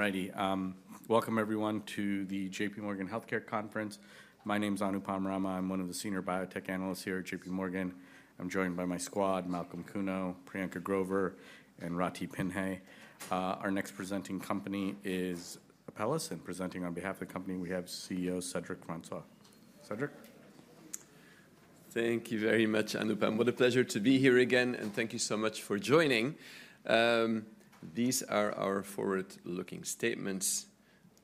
Alrighty, welcome everyone to the JPMorgan Healthcare Conference. My name is Anupam Rama. I'm one of the senior biotech analysts here at JPMorgan. I'm joined by my squad, Malcolm Kuno, Priyanka Grover, and Ritika Pai. Our next presenting company is Apellis, and presenting on behalf of the company, we have CEO Cedric Francois. Cedric? Thank you very much, Anu. What a pleasure to be here again, and thank you so much for joining. These are our forward-looking statements,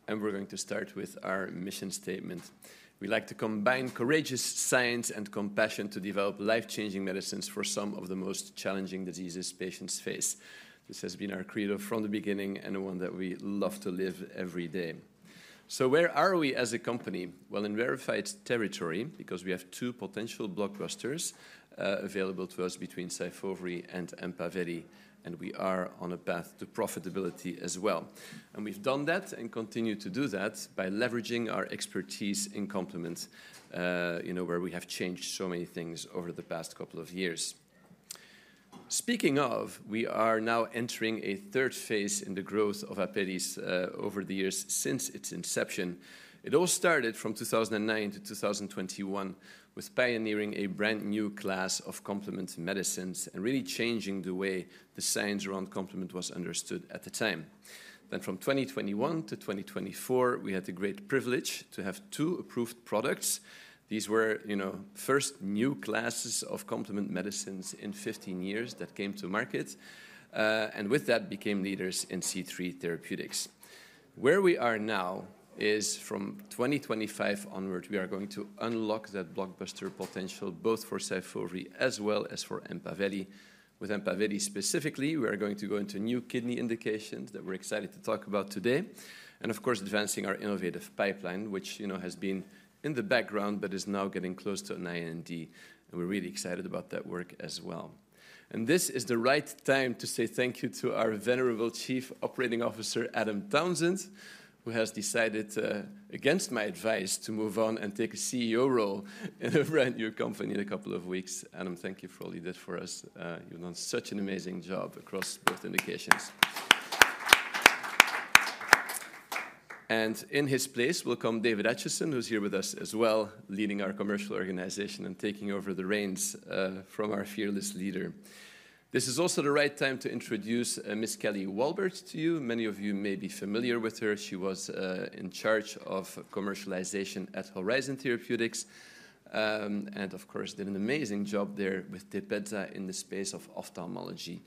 and we're going to start with our mission statement. We like to combine courageous science and compassion to develop life-changing medicines for some of the most challenging diseases patients face. This has been our credo from the beginning and one that we love to live every day. Where are we as a company? In verified territory, because we have two potential blockbusters available to us between Syfovre and Empaveli, and we are on a path to profitability as well. We've done that and continue to do that by leveraging our expertise in complement, you know, where we have changed so many things over the past couple of years. Speaking of, we are now entering a third phase in the growth of Apellis over the years since its inception. It all started from 2009 to 2021 with pioneering a brand new class of complement medicines and really changing the way the science around complement was understood at the time. Then from 2021 to 2024, we had the great privilege to have two approved products. These were, you know, first new classes of complement medicines in 15 years that came to market, and with that became leaders in C3 therapeutics. Where we are now is from 2025 onward, we are going to unlock that blockbuster potential both for Syfovre as well as for Empaveli. With Empaveli specifically, we are going to go into new kidney indications that we're excited to talk about today, and of course advancing our innovative pipeline, which, you know, has been in the background but is now getting close to an IND, and we're really excited about that work as well, and this is the right time to say thank you to our venerable Chief Operating Officer, Adam Townsend, who has decided, against my advice, to move on and take a CEO role in a brand new company in a couple of weeks. Adam, thank you for all you did for us. You've done such an amazing job across both indications, and in his place will come David Acheson, who's here with us as well, leading our commercial organization and taking over the reins from our fearless leader. This is also the right time to introduce Ms. Kelly Walbert to you. Many of you may be familiar with her. She was in charge of commercialization at Horizon Therapeutics, and of course did an amazing job there with Tepezza in the space of ophthalmology.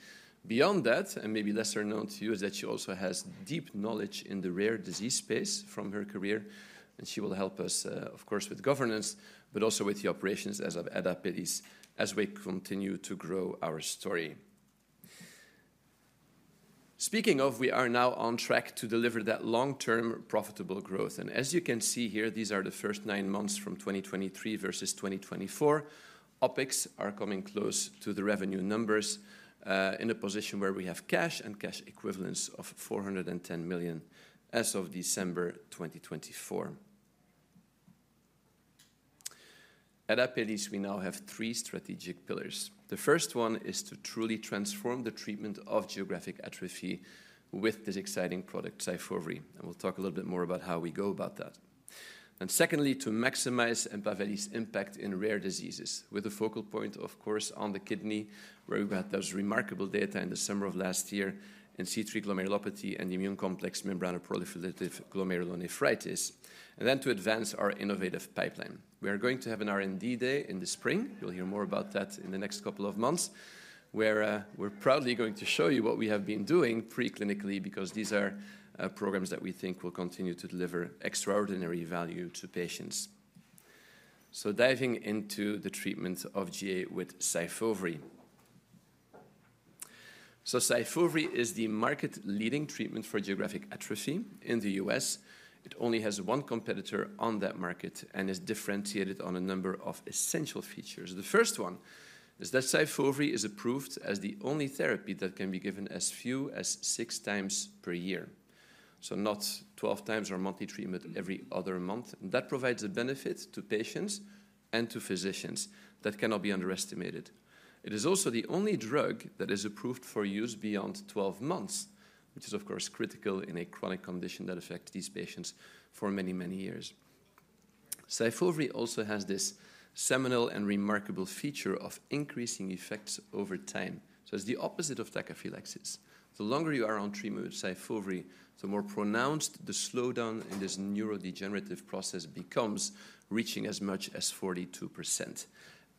Beyond that, and maybe lesser known to you, is that she also has deep knowledge in the rare disease space from her career, and she will help us, of course, with governance, but also with the operations as of Apellis as we continue to grow our story. Speaking of, we are now on track to deliver that long-term profitable growth. As you can see here, these are the first nine months from 2023 versus 2024. Opex is coming close to the revenue numbers in a position where we have cash and cash equivalents of $410 million as of December 2024. At Apellis, we now have three strategic pillars. The first one is to truly transform the treatment of geographic atrophy with this exciting product, SYFOVRE, and we'll talk a little bit more about how we go about that. And secondly, to maximize EMPAVELI's impact in rare diseases, with a focal point, of course, on the kidney, where we've had those remarkable data in the summer of last year in C3 Glomerulopathy and Immune Complex Membranoproliferative Glomerulonephritis, and then to advance our innovative pipeline. We are going to have an R&D day in the spring. You'll hear more about that in the next couple of months, where we're proudly going to show you what we have been doing preclinically, because these are programs that we think will continue to deliver extraordinary value to patients. So diving into the treatment of GA with SYFOVRE. So SYFOVRE is the market-leading treatment for geographic atrophy in the U.S. It only has one competitor on that market and is differentiated on a number of essential features. The first one is that Syfovre is approved as the only therapy that can be given as few as six times per year, so not 12 times our monthly treatment every other month. That provides a benefit to patients and to physicians that cannot be underestimated. It is also the only drug that is approved for use beyond 12 months, which is, of course, critical in a chronic condition that affects these patients for many, many years. Syfovre also has this seminal and remarkable feature of increasing effects over time, so it's the opposite of tachyphylaxis. The longer you are on treatment with Syfovre, the more pronounced the slowdown in this neurodegenerative process becomes, reaching as much as 42%,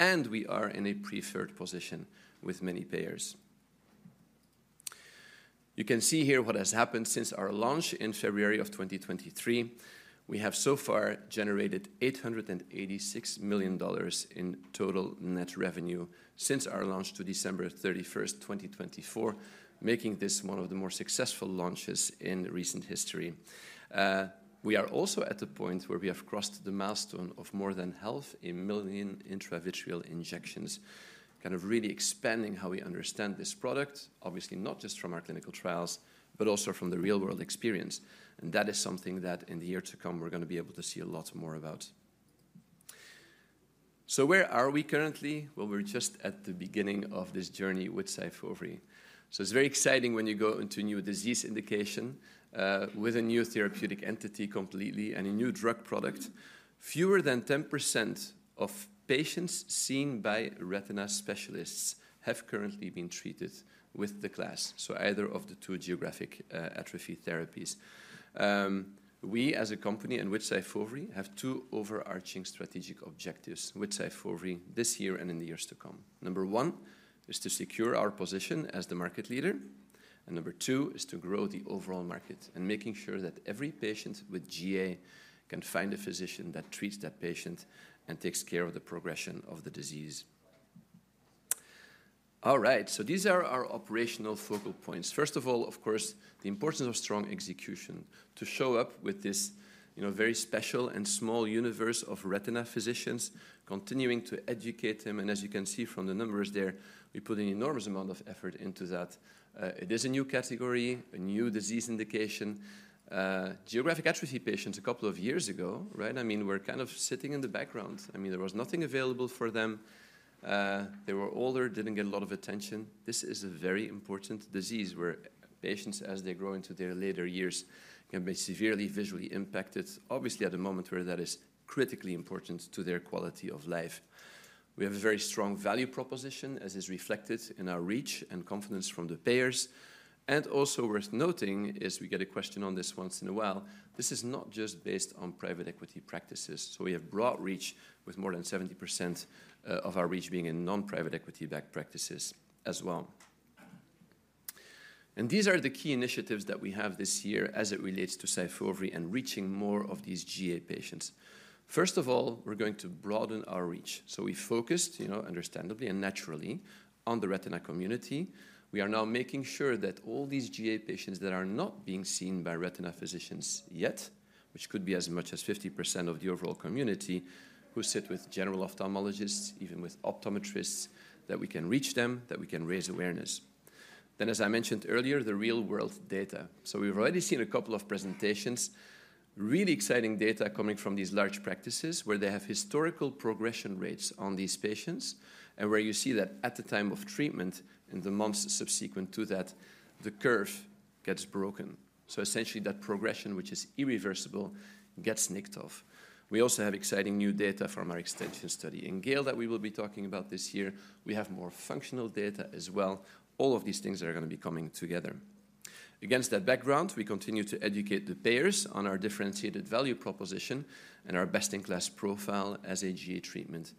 and we are in a preferred position with many payers. You can see here what has happened since our launch in February of 2023. We have so far generated $886 million in total net revenue since our launch to December 31st, 2024, making this one of the more successful launches in recent history. We are also at the point where we have crossed the milestone of more than 500,000 intravitreal injections, kind of really expanding how we understand this product, obviously not just from our clinical trials, but also from the real-world experience, and that is something that in the years to come, we're going to be able to see a lot more about, so where are we currently? Well, we're just at the beginning of this journey with SYFOVRE, so it's very exciting when you go into new disease indication with a new therapeutic entity completely and a new drug product. Fewer than 10% of patients seen by retina specialists have currently been treated with the class, so either of the two Geographic Atrophy therapies. We, as a company and with Syfovre, have two overarching strategic objectives with Syfovre this year and in the years to come. Number one is to secure our position as the market leader, and number two is to grow the overall market and making sure that every patient with GA can find a physician that treats that patient and takes care of the progression of the disease. All right, so these are our operational focal points. First of all, of course, the importance of strong execution to show up with this, you know, very special and small universe of retina physicians continuing to educate them. And as you can see from the numbers there, we put an enormous amount of effort into that. It is a new category, a new disease indication. Geographic Atrophy patients a couple of years ago, right? I mean, we're kind of sitting in the background. I mean, there was nothing available for them. They were older, didn't get a lot of attention. This is a very important disease where patients, as they grow into their later years, can be severely visually impacted, obviously at a moment where that is critically important to their quality of life. We have a very strong value proposition, as is reflected in our reach and confidence from the payers. And also worth noting is we get a question on this once in a while. This is not just based on private equity practices. So we have broad reach with more than 70% of our reach being in non-private equity-backed practices as well. These are the key initiatives that we have this year as it relates to SYFOVRE and reaching more of these GA patients. First of all, we're going to broaden our reach. So we focused, you know, understandably and naturally on the retina community. We are now making sure that all these GA patients that are not being seen by retina physicians yet, which could be as much as 50% of the overall community who sit with general ophthalmologists, even with optometrists, that we can reach them, that we can raise awareness. Then, as I mentioned earlier, the real-world data. So we've already seen a couple of presentations, really exciting data coming from these large practices where they have historical progression rates on these patients, and where you see that at the time of treatment in the months subsequent to that, the curve gets broken. So essentially that progression, which is irreversible, gets nicked off. We also have exciting new data from our extension study in GA that we will be talking about this year. We have more functional data as well. All of these things are going to be coming together. Against that background, we continue to educate the payers on our differentiated value proposition and our best-in-class profile as a GA treatment.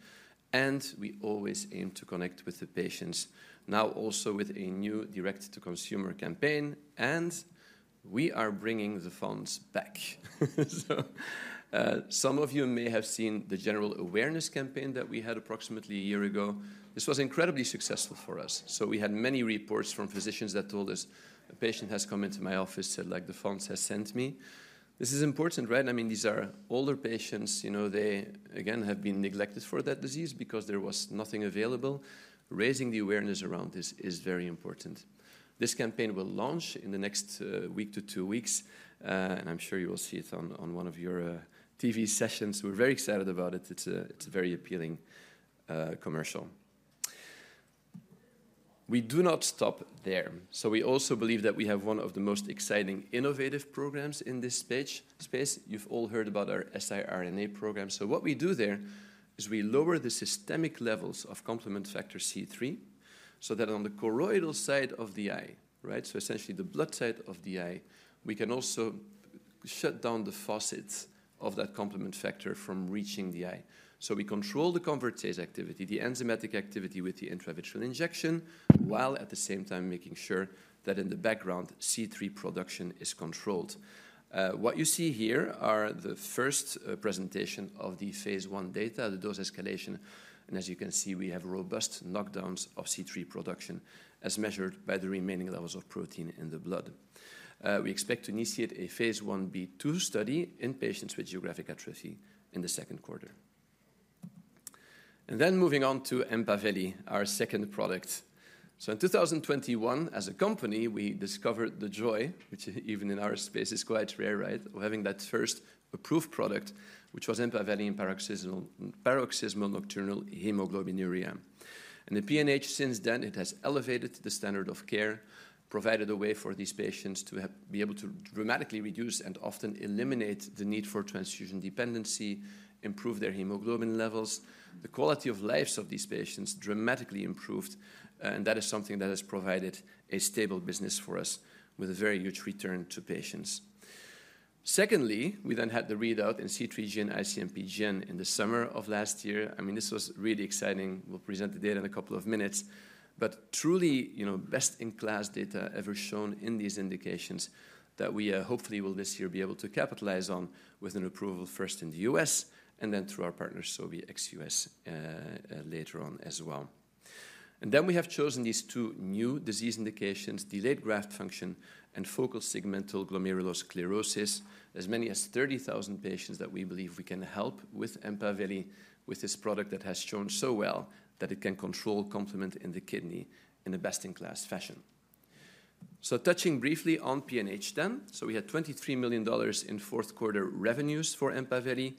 And we always aim to connect with the patients, now also with a new direct-to-consumer campaign, and we are bringing the ad back. So some of you may have seen the general awareness campaign that we had approximately a year ago. This was incredibly successful for us. So we had many reports from physicians that told us a patient has come into my office, said like the ad has sent me. This is important, right? I mean, these are older patients, you know, they again have been neglected for that disease because there was nothing available. Raising the awareness around this is very important. This campaign will launch in the next week to two weeks, and I'm sure you will see it on one of your TV sessions. We're very excited about it. It's a very appealing commercial. We do not stop there, so we also believe that we have one of the most exciting innovative programs in this space. You've all heard about our siRNA program, so what we do there is we lower the systemic levels of complement factor C3 so that on the choroidal side of the eye, right, so essentially the blood side of the eye, we can also shut down the faucets of that complement factor from reaching the eye. We control the convertase activity, the enzymatic activity with the intravitreal injection, while at the same time making sure that in the background, C3 production is controlled. What you see here are the first presentation of the phase one data, the dose escalation. As you can see, we have robust knockdowns of C3 production as measured by the remaining levels of protein in the blood. We expect to initiate a Phase 1b/2 study in patients with geographic atrophy in the second quarter. Then moving on to Empaveli, our second product. In 2021, as a company, we discovered the joy, which even in our space is quite rare, right, of having that first approved product, which was Empaveli and paroxysmal nocturnal hemoglobinuria. The PNH since then has elevated the standard of care, provided a way for these patients to be able to dramatically reduce and often eliminate the need for transfusion dependency, improve their hemoglobin levels. The quality of lives of these patients dramatically improved, and that is something that has provided a stable business for us with a very huge return to patients. Secondly, we then had the readout in C3G IC-MPGN in the summer of last year. I mean, this was really exciting. We'll present the data in a couple of minutes, but truly, you know, best-in-class data ever shown in these indications that we hopefully will this year be able to capitalize on with an approval first in the U.S., and then through our partner Sobi ex-U.S., later on as well. We have chosen these two new disease indications, delayed graft function and focal segmental glomerulosclerosis, as many as 30,000 patients that we believe we can help with Empaveli with this product that has shown so well that it can control complement in the kidney in the best-in-class fashion. So touching briefly on PNH then, so we had $23 million in fourth quarter revenues for Empaveli.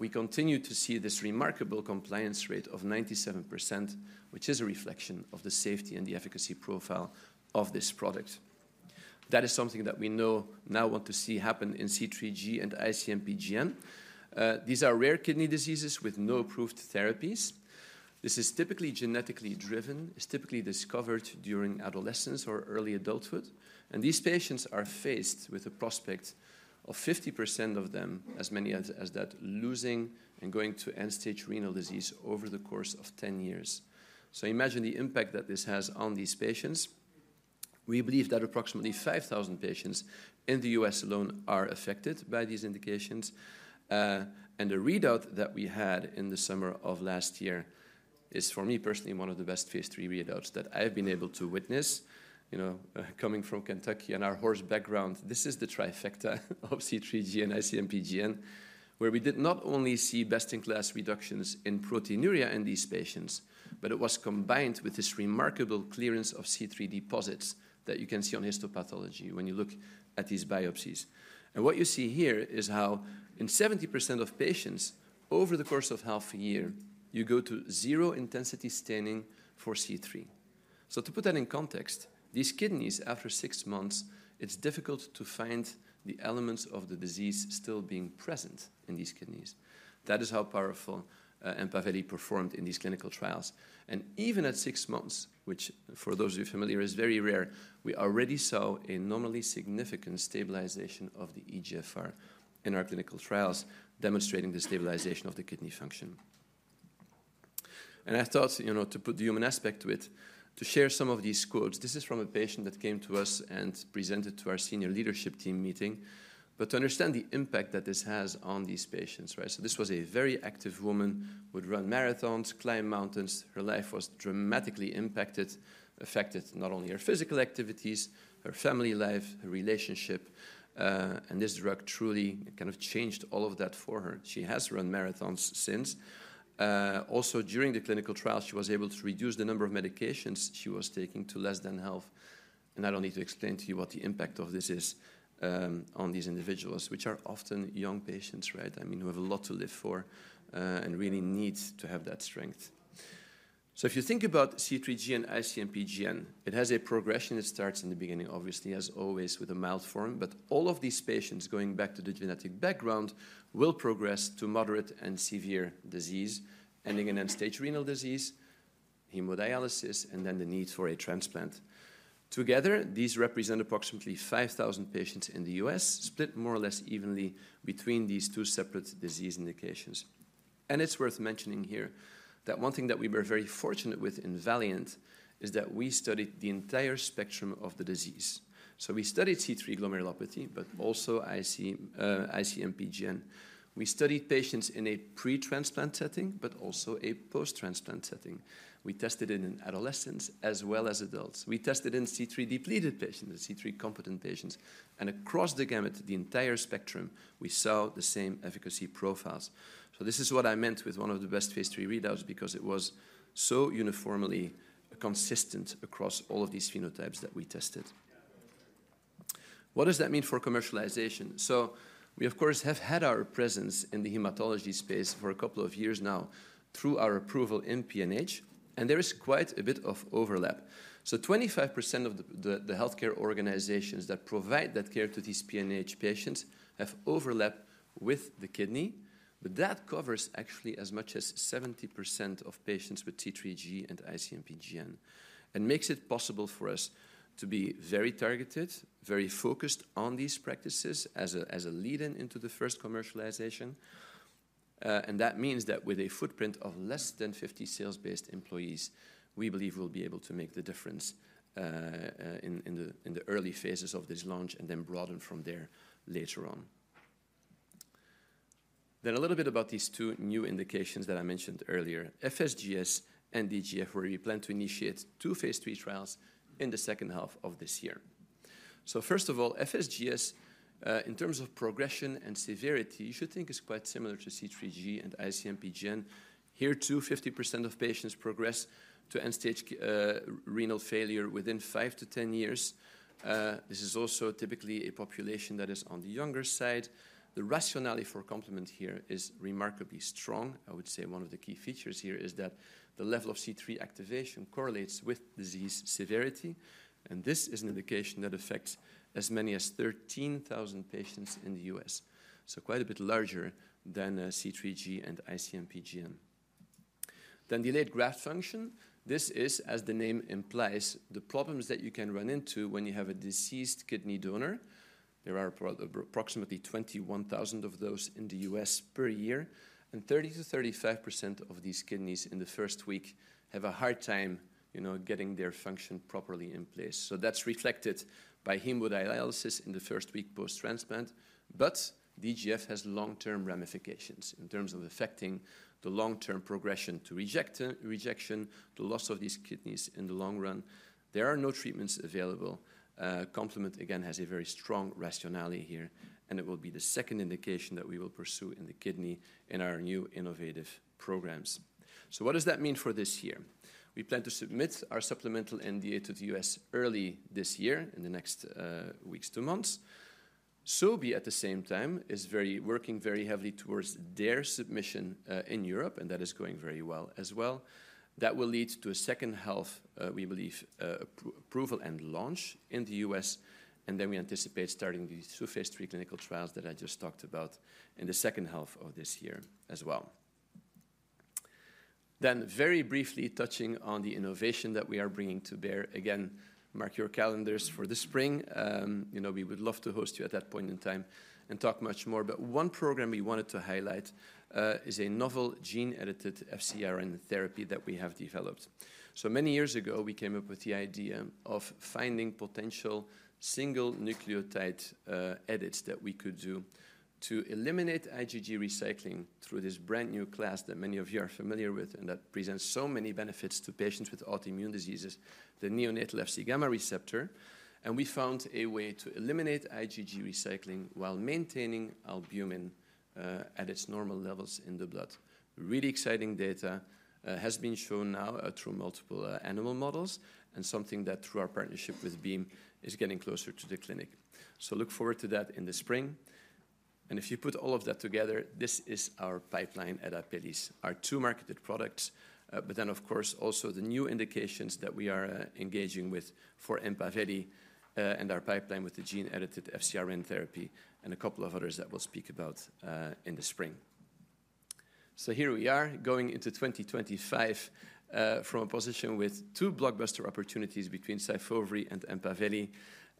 We continue to see this remarkable compliance rate of 97%, which is a reflection of the safety and the efficacy profile of this product. That is something that we now want to see happen in C3G and IC-MPGN. These are rare kidney diseases with no approved therapies. This is typically genetically driven, is typically discovered during adolescence or early adulthood, and these patients are faced with a prospect of 50% of them, as many as that, losing and going to end-stage renal disease over the course of 10 years. So imagine the impact that this has on these patients. We believe that approximately 5,000 patients in the U.S., alone are affected by these indications. And the readout that we had in the summer of last year is, for me personally, one of the best phase three readouts that I've been able to witness, you know, coming from Kentucky and our horse background. This is the trifecta of C3G and IC-MPGN, where we did not only see best-in-class reductions in proteinuria in these patients, but it was combined with this remarkable clearance of C3 deposits that you can see on histopathology when you look at these biopsies, and what you see here is how in 70% of patients, over the course of half a year, you go to zero intensity staining for C3, so to put that in context, these kidneys, after six months, it's difficult to find the elements of the disease still being present in these kidneys. That is how powerful Empaveli performed in these clinical trials, and even at six months, which for those of you familiar is very rare, we already saw a normally significant stabilization of the eGFR in our clinical trials, demonstrating the stabilization of the kidney function. I thought, you know, to put the human aspect to it, to share some of these quotes. This is from a patient that came to us and presented to our senior leadership team meeting, but to understand the impact that this has on these patients, right? This was a very active woman, would run marathons, climb mountains. Her life was dramatically impacted, affected not only her physical activities, her family life, her relationship. This drug truly kind of changed all of that for her. She has run marathons since. Also during the clinical trial, she was able to reduce the number of medications she was taking to less than half. I don't need to explain to you what the impact of this is on these individuals, which are often young patients, right? I mean, who have a lot to live for and really need to have that strength, so if you think about C3G and IC-MPGN, it has a progression. It starts in the beginning, obviously, as always with a mild form, but all of these patients going back to the genetic background will progress to moderate and severe disease, ending in end-stage renal disease, hemodialysis, and then the need for a transplant. Together, these represent approximately 5,000 patients in the U.S., split more or less evenly between these two separate disease indications, and it's worth mentioning here that one thing that we were very fortunate with in Valiant is that we studied the entire spectrum of the disease, so we studied C3 glomerulopathy, but also IC-MPGN. We studied patients in a pre-transplant setting, but also a post-transplant setting. We tested it in adolescents as well as adults. We tested in C3-depleted patients, C3-competent patients, and across the gamut, the entire spectrum. We saw the same efficacy profiles. So this is what I meant with one of the best phase 3 readouts because it was so uniformly consistent across all of these phenotypes that we tested. What does that mean for commercialization? So we, of course, have had our presence in the hematology space for a couple of years now through our approval in PNH, and there is quite a bit of overlap. So 25% of the healthcare organizations that provide that care to these PNH patients have overlap with the kidney, but that covers actually as much as 70% of patients with C3G and IC-MPGN, and makes it possible for us to be very targeted, very focused on these practices as a lead-in into the first commercialization. And that means that with a footprint of less than 50 sales-based employees, we believe we'll be able to make the difference in the early phases of this launch and then broaden from there later on. Then a little bit about these two new indications that I mentioned earlier, FSGS and DGF, where we plan to initiate two phase 3 trials in the second half of this year. So first of all, FSGS, in terms of progression and severity, you should think is quite similar to C3G and IC-MPGN. Here too, 50% of patients progress to end-stage renal failure within five to 10 years. This is also typically a population that is on the younger side. The rationale for complement here is remarkably strong. I would say one of the key features here is that the level of C3 activation correlates with disease severity, and this is an indication that affects as many as 13,000 patients in the U.S., So quite a bit larger than C3G and IC-MPGN, then delayed graft function. This is, as the name implies, the problems that you can run into when you have a deceased kidney donor. There are approximately 21,000 of those in the U.S., per year, and 30%-35% of these kidneys in the first week have a hard time, you know, getting their function properly in place, so that's reflected by hemodialysis in the first week post-transplant, but DGF has long-term ramifications in terms of affecting the long-term progression to rejection, the loss of these kidneys in the long run. There are no treatments available. Complement, again, has a very strong rationale here, and it will be the second indication that we will pursue in the kidney in our new innovative programs. So what does that mean for this year? We plan to submit our supplemental NDA to the U.S., early this year in the next weeks to months. Sobi, at the same time, is working very heavily towards their submission in Europe, and that is going very well as well. That will lead to a second half, we believe, approval and launch in the U.S., and then we anticipate starting these two phase three clinical trials that I just talked about in the second half of this year as well. Then, very briefly, touching on the innovation that we are bringing to bear, again, mark your calendars for the spring. You know, we would love to host you at that point in time and talk much more, but one program we wanted to highlight is a novel gene-edited FcRn therapy that we have developed, so many years ago, we came up with the idea of finding potential single nucleotide edits that we could do to eliminate IgG recycling through this brand new class that many of you are familiar with and that presents so many benefits to patients with autoimmune diseases, the neonatal Fc receptor. And we found a way to eliminate IgG recycling while maintaining albumin at its normal levels in the blood. Really exciting data has been shown now through multiple animal models and something that, through our partnership with Beam, is getting closer to the clinic, so look forward to that in the spring. If you put all of that together, this is our pipeline at Apellis, our two marketed products, but then, of course, also the new indications that we are engaging with for Empaveli and our pipeline with the gene-edited FcRn therapy and a couple of others that we'll speak about in the spring. So here we are going into 2025 from a position with two blockbuster opportunities between Syfovre and Empaveli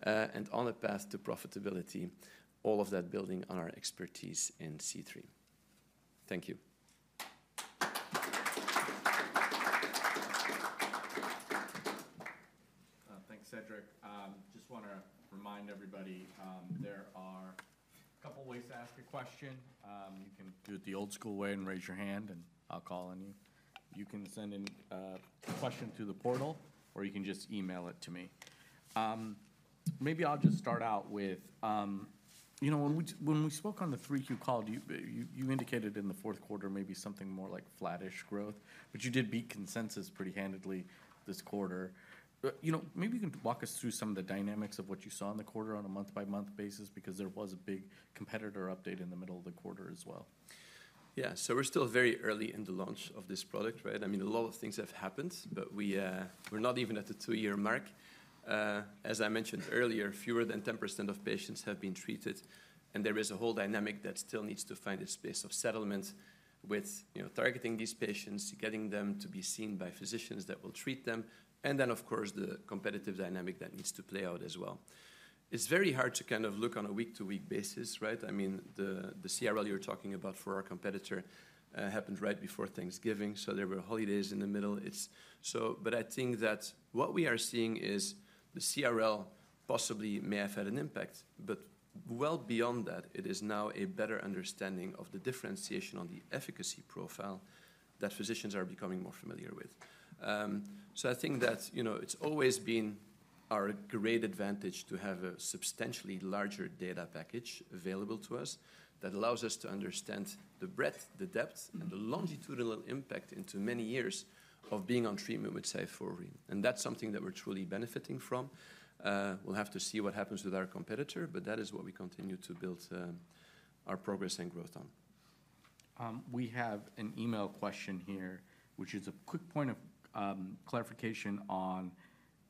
and on a path to profitability, all of that building on our expertise in C3. Thank you. Thanks, Cedric. Just want to remind everybody there are a couple of ways to ask a question. You can do it the old school way and raise your hand and I'll call on you. You can send in a question to the portal or you can just email it to me. Maybe I'll just start out with, you know, when we spoke on the 3Q call, you indicated in the fourth quarter maybe something more like flattish growth, but you did beat consensus pretty handedly this quarter. You know, maybe you can walk us through some of the dynamics of what you saw in the quarter on a month-by-month basis because there was a big competitor update in the middle of the quarter as well. Yeah, so we're still very early in the launch of this product, right? I mean, a lot of things have happened, but we're not even at the two-year mark. As I mentioned earlier, fewer than 10% of patients have been treated, and there is a whole dynamic that still needs to find its space of settlement with, you know, targeting these patients, getting them to be seen by physicians that will treat them, and then, of course, the competitive dynamic that needs to play out as well. It's very hard to kind of look on a week-to-week basis, right? I mean, the CRL you're talking about for our competitor happened right before Thanksgiving, so there were holidays in the middle. It's so, but I think that what we are seeing is the CRL possibly may have had an impact, but well beyond that, it is now a better understanding of the differentiation on the efficacy profile that physicians are becoming more familiar with. So I think that, you know, it's always been our great advantage to have a substantially larger data package available to us that allows us to understand the breadth, the depth, and the longitudinal impact into many years of being on treatment with Syfovre. And that's something that we're truly benefiting from. We'll have to see what happens with our competitor, but that is what we continue to build our progress and growth on. We have an email question here, which is a quick point of clarification on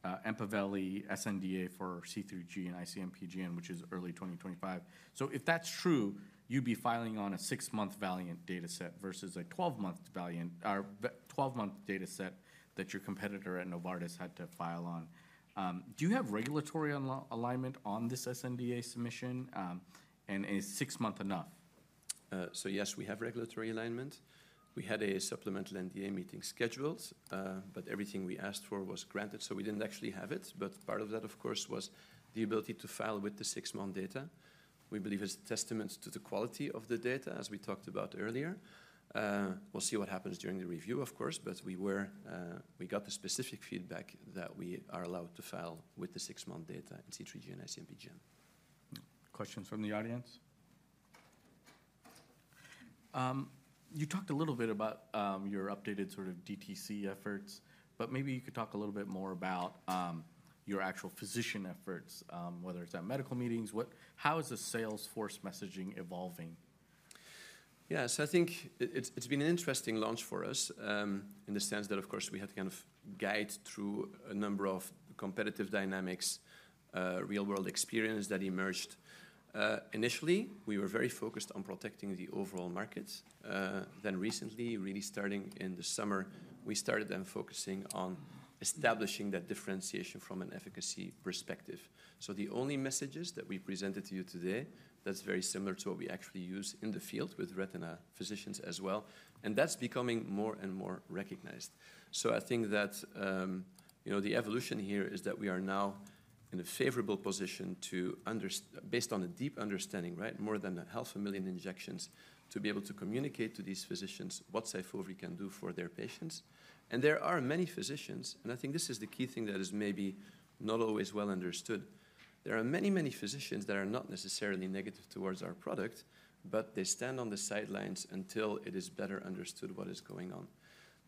Empaveli sNDA for C3G and IC-MPGN, which is early 2025. So if that's true, you'd be filing on a six-month Valiant data set versus a 12-month Valiant, 12-month data set that your competitor at Novartis had to file on. Do you have regulatory alignment on this sNDA submission? And is six months enough? So yes, we have regulatory alignment. We had a supplemental NDA meeting scheduled, but everything we asked for was granted, so we didn't actually have it. But part of that, of course, was the ability to file with the six-month data. We believe it's a testament to the quality of the data, as we talked about earlier. We'll see what happens during the review, of course, but we were, we got the specific feedback that we are allowed to file with the six-month data in C3G and IC-MPGN. Questions from the audience? You talked a little bit about your updated sort of DTC efforts, but maybe you could talk a little bit more about your actual physician efforts, whether it's at medical meetings. How is the Salesforce messaging evolving? Yeah, so I think it's been an interesting launch for us in the sense that, of course, we had to kind of guide through a number of competitive dynamics, real-world experience that emerged. Initially, we were very focused on protecting the overall market. Then recently, really starting in the summer, we started then focusing on establishing that differentiation from an efficacy perspective. So the only messages that we presented to you today, that's very similar to what we actually use in the field with retina physicians as well, and that's becoming more and more recognized. So I think that, you know, the evolution here is that we are now in a favorable position to understand, based on a deep understanding, right, more than 500,000 injections, to be able to communicate to these physicians what Syfovre can do for their patients. There are many physicians, and I think this is the key thing that is maybe not always well understood. There are many, many physicians that are not necessarily negative towards our product, but they stand on the sidelines until it is better understood what is going on.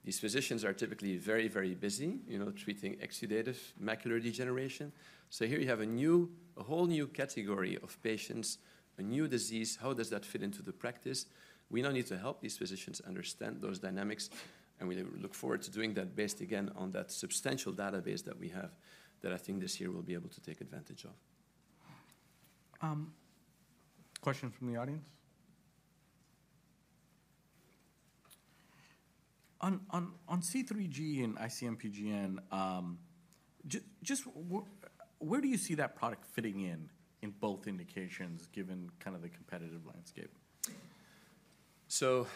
These physicians are typically very, very busy, you know, treating exudative macular degeneration. So here you have a new, a whole new category of patients, a new disease. How does that fit into the practice? We now need to help these physicians understand those dynamics, and we look forward to doing that based again on that substantial database that we have that I think this year we'll be able to take advantage of. Question from the audience? On C3G and IC-MPGN, just where do you see that product fitting in in both indications given kind of the competitive landscape? So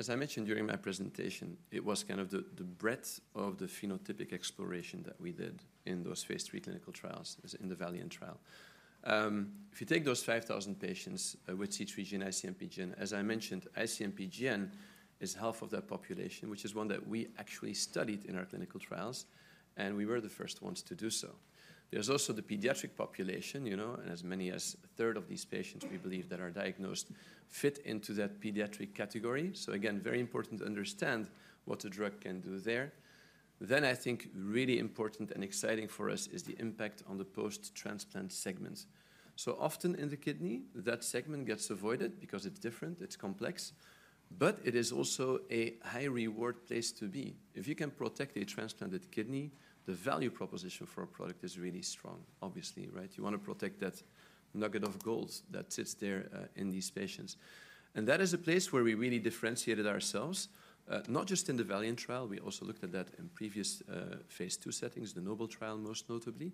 as I mentioned during my presentation, it was kind of the breadth of the phenotypic exploration that we did in those phase three clinical trials in the Valiant trial. If you take those 5,000 patients with C3G and IC-MPGN, as I mentioned, IC-MPGN is half of that population, which is one that we actually studied in our clinical trials, and we were the first ones to do so. There's also the pediatric population, you know, and as many as a third of these patients we believe that are diagnosed fit into that pediatric category. So again, very important to understand what the drug can do there. Then I think really important and exciting for us is the impact on the post-transplant segments. So often in the kidney, that segment gets avoided because it's different, it's complex, but it is also a high-reward place to be. If you can protect a transplanted kidney, the value proposition for a product is really strong, obviously, right? You want to protect that nugget of gold that sits there in these patients, and that is a place where we really differentiated ourselves, not just in the Valiant trial, we also looked at that in previous phase two settings, the NOBLE trial most notably,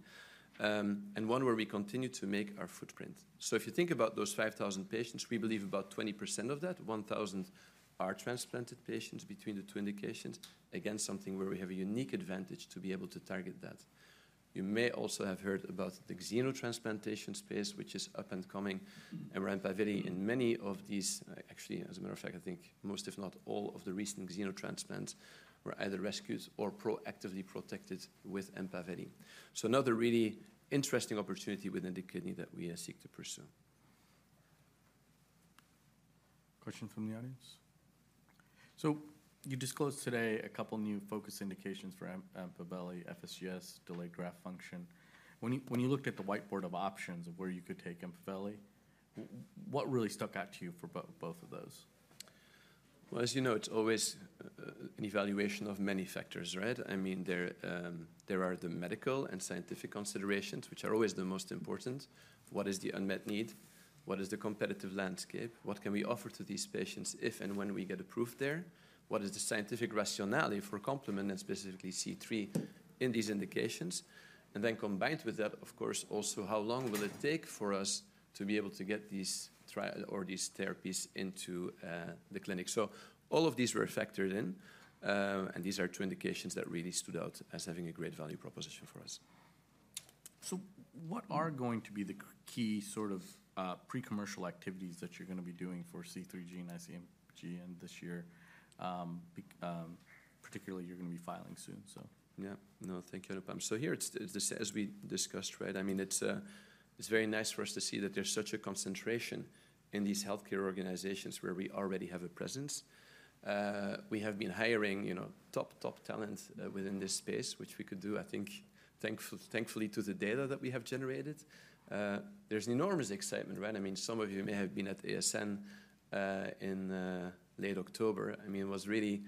and one where we continue to make our footprint, so if you think about those 5,000 patients, we believe about 20% of that, 1,000 are transplanted patients between the two indications, again, something where we have a unique advantage to be able to target that. You may also have heard about the xenotransplantation space, which is up and coming, and we're Empaveli in many of these. Actually, as a matter of fact, I think most, if not all, of the recent xenotransplants were either rescued or proactively protected with Empaveli. So another really interesting opportunity within the kidney that we seek to pursue. Question from the audience. So you disclosed today a couple of new focus indications for Empaveli, FSGS, delayed graft function. When you looked at the whiteboard of options of where you could take Empaveli, what really stuck out to you for both of those? As you know, it's always an evaluation of many factors, right? I mean, there are the medical and scientific considerations, which are always the most important. What is the unmet need? What is the competitive landscape? What can we offer to these patients if and when we get approved there? What is the scientific rationale for complement, and specifically C3, in these indications? And then combined with that, of course, also how long will it take for us to be able to get these trials or these therapies into the clinic? So all of these were factored in, and these are two indications that really stood out as having a great value proposition for us. So what are going to be the key sort of pre-commercial activities that you're going to be doing for C3G and IC-MPGN this year, particularly you're going to be filing soon, so? Yeah, no, thank you, Anupam. So here, as we discussed, right, I mean, it's very nice for us to see that there's such a concentration in these healthcare organizations where we already have a presence. We have been hiring, you know, top, top talent within this space, which we could do, I think, thankfully to the data that we have generated. There's enormous excitement, right? I mean, some of you may have been at ASN in late October. I mean, it was really,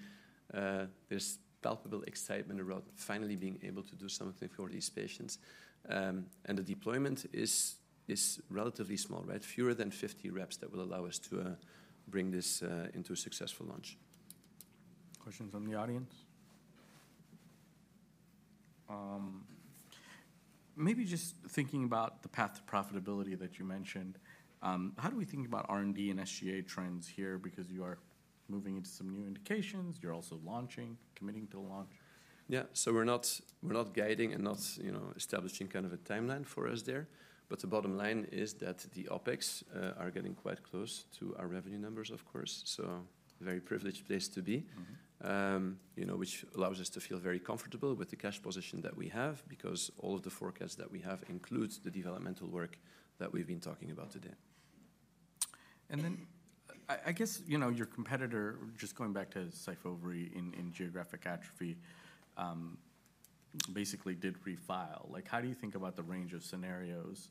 there's palpable excitement around finally being able to do something for these patients. And the deployment is relatively small, right? Fewer than 50 reps that will allow us to bring this into a successful launch. Questions from the audience? Maybe just thinking about the path to profitability that you mentioned, how do we think about R&D and SGA trends here? Because you are moving into some new indications, you're also launching, committing to launch. Yeah, so we're not guiding and not, you know, establishing kind of a timeline for us there. But the bottom line is that the OpEx are getting quite close to our revenue numbers, of course. So very privileged place to be, you know, which allows us to feel very comfortable with the cash position that we have because all of the forecasts that we have include the developmental work that we've been talking about today. Then I guess, you know, your competitor, just going back to SYFOVRE in geographic atrophy, basically did refile. Like, how do you think about the range of scenarios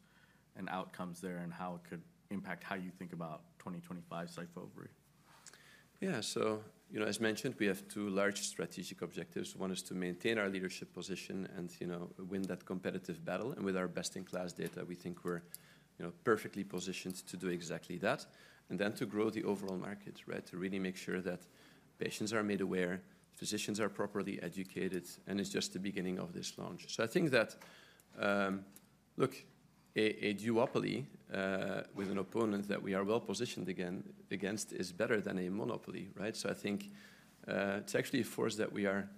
and outcomes there and how it could impact how you think about 2025 SYFOVRE? Yeah, so, you know, as mentioned, we have two large strategic objectives. One is to maintain our leadership position and, you know, win that competitive battle, and with our best-in-class data, we think we're, you know, perfectly positioned to do exactly that, and then to grow the overall market, right, to really make sure that patients are made aware, physicians are properly educated, and it's just the beginning of this launch, so I think that, look, a duopoly with an opponent that we are well positioned against is better than a monopoly, right, so I think it's actually a force that we are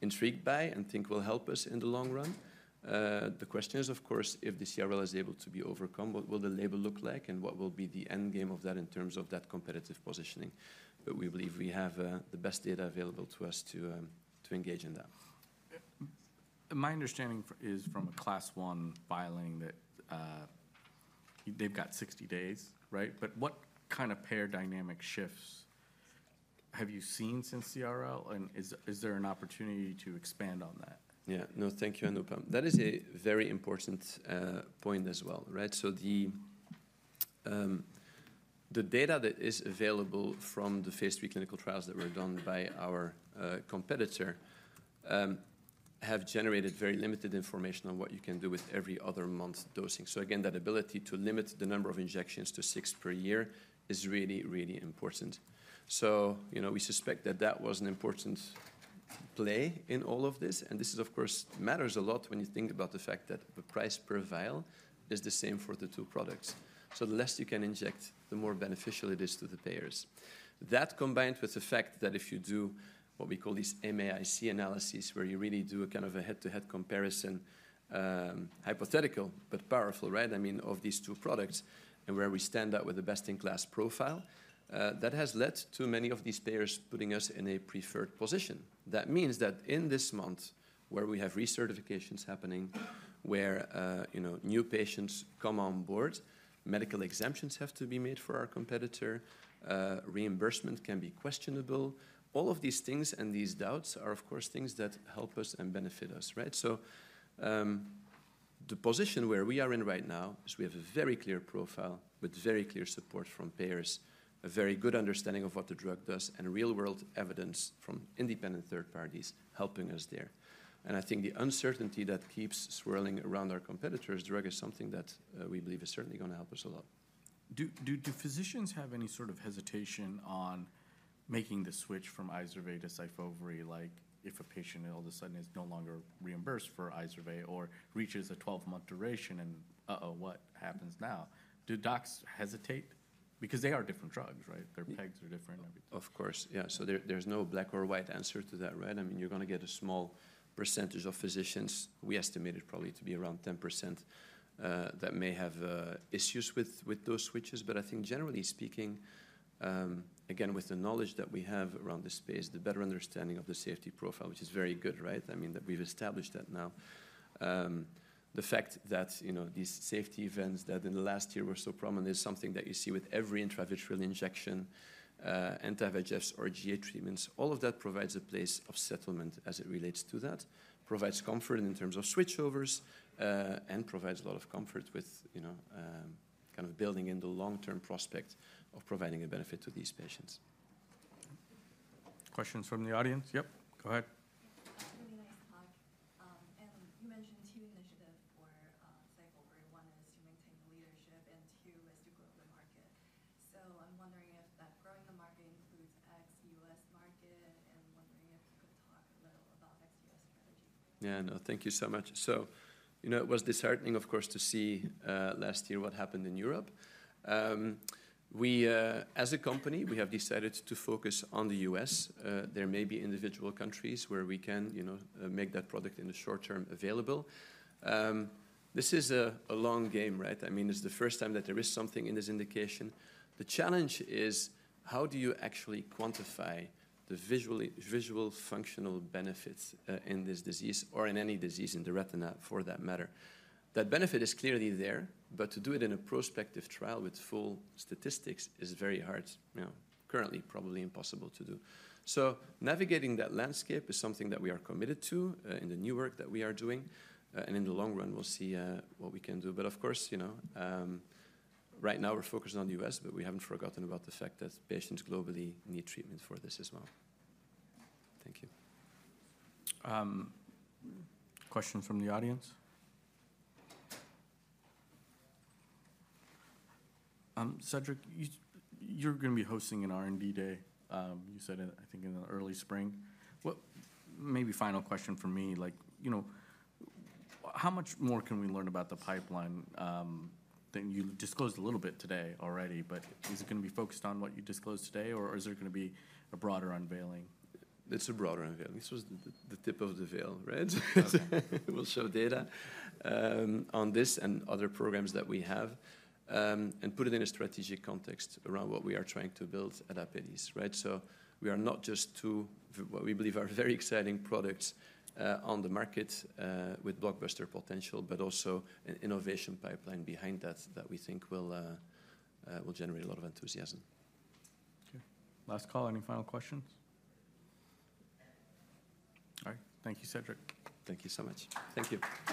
intrigued by and think will help us in the long run. The question is, of course, if the CRL is able to be overcome, what will the label look like, and what will be the end game of that in terms of that competitive positioning. But we believe we have the best data available to us to engage in that. My understanding is from a Class 1 filing that they've got 60 days, right? But what kind of paradigm shifts have you seen since CRL? And is there an opportunity to expand on that? Yeah, no, thank you, Anupam. That is a very important point as well, right? So the data that is available from the phase three clinical trials that were done by our competitor have generated very limited information on what you can do with every other month dosing. So again, that ability to limit the number of injections to six per year is really, really important. So, you know, we suspect that that was an important play in all of this. And this is, of course, matters a lot when you think about the fact that the price per vial is the same for the two products. So the less you can inject, the more beneficial it is to the payers. That combined with the fact that if you do what we call these MAIC analyses, where you really do a kind of a head-to-head comparison, hypothetical, but powerful, right? I mean, of these two products and where we stand out with the best-in-class profile, that has led to many of these payers putting us in a preferred position. That means that in this month, where we have recertifications happening, where, you know, new patients come on board, medical exemptions have to be made for our competitor, reimbursement can be questionable. All of these things and these doubts are, of course, things that help us and benefit us, right? So the position where we are in right now is we have a very clear profile with very clear support from payers, a very good understanding of what the drug does, and real-world evidence from independent third parties helping us there. And I think the uncertainty that keeps swirling around our competitor's drug is something that we believe is certainly going to help us a lot. Do physicians have any sort of hesitation on making the switch from Izervay to Syfovre, like if a patient all of a sudden is no longer reimbursed for Izervay or reaches a 12-month duration and, uh-oh, what happens now? Do docs hesitate? Because they are different drugs, right? Their pegs are different and everything. Of course, yeah. So there's no black or white answer to that, right? I mean, you're going to get a small percentage of physicians, we estimate it probably to be around 10%, that may have issues with those switches. But I think generally speaking, again, with the knowledge that we have around the space, the better understanding of the safety profile, which is very good, right? I mean, that we've established that now. The fact that, you know, these safety events that in the last year were so prominent is something that you see with every intravitreal injection, anti-VEGFs or GA treatments. All of that provides a place of settlement as it relates to that, provides comfort in terms of switchovers, and provides a lot of comfort with, you know, kind of building in the long-term prospect of providing a benefit to these patients. Questions from the audience? Yep, go ahead. I have a really nice talk. You mentioned two initiatives for Syfovre. One is to maintain the leadership and two is to grow the market. I'm wondering if that growing the market includes ex-U.S., market, and wondering if you could talk a little about ex-U.S., strategy. Yeah, no, thank you so much. So, you know, it was disheartening, of course, to see last year what happened in Europe. We, as a company, we have decided to focus on the U.S. There may be individual countries where we can, you know, make that product in the short term available. This is a long game, right? I mean, it's the first time that there is something in this indication. The challenge is how do you actually quantify the visual functional benefits in this disease or in any disease in the retina for that matter? That benefit is clearly there, but to do it in a prospective trial with full statistics is very hard, you know, currently probably impossible to do. So navigating that landscape is something that we are committed to in the new work that we are doing. And in the long run, we'll see what we can do. But of course, you know, right now we're focused on the U.S., but we haven't forgotten about the fact that patients globally need treatment for this as well. Thank you. Question from the audience? Cedric, you're going to be hosting an R&D day, you said, I think in the early spring. Maybe final question from me, like, you know, how much more can we learn about the pipeline than you disclosed a little bit today already, but is it going to be focused on what you disclosed today, or is there going to be a broader unveiling? It's a broader unveiling. This was the tip of the veil, right? We'll show data on this and other programs that we have and put it in a strategic context around what we are trying to build at Apellis, right? So we are not just to what we believe are very exciting products on the market with blockbuster potential, but also an innovation pipeline behind that that we think will generate a lot of enthusiasm. Okay, last call, any final questions? All right, thank you, Cedric. Thank you so much. Thank you.